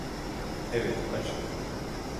Evet, açım.